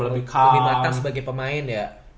lebih kelimatan sebagai pemain ya